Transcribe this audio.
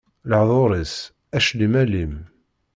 Lehdur-is, aclim alim.